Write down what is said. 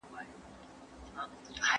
هغه هره ورځ په همدې ځای کې زما انتظار کوي.